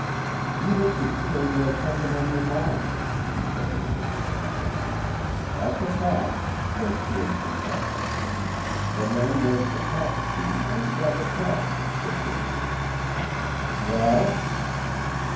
"You make me feel you have something on your mind," she said at length. "That's a fact," Horsfield confessed. The man was attached to and rather proud of his sister. "Well?"